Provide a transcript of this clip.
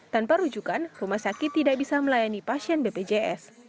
tanpa rujukan rumah sakit tidak bisa melayani pasien bpjs